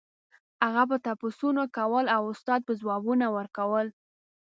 هغه به تپوسونه کول او استاد به ځوابونه ورکول.